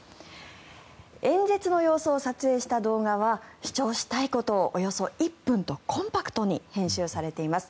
演説の様子を撮影した動画は主張したいことをおよそ１分とコンパクトに編集されています。